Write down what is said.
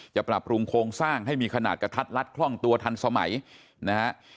ปรับปรุงโครงสร้างให้มีขนาดกระทัดลัดคล่องตัวทันสมัยนะฮะ